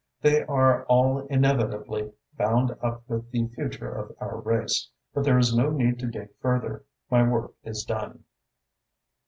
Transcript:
They are all inevitably bound up with the future of our race, but there is no need to dig further. My work is done."